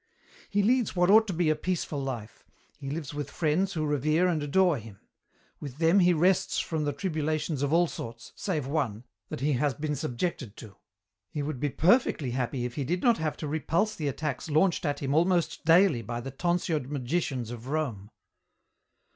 "He leads what ought to be a peaceful life. He lives with friends who revere and adore him. With them he rests from the tribulations of all sorts save one that he has been subjected to. He would be perfectly happy if he did not have to repulse the attacks launched at him almost daily by the tonsured magicians of Rome."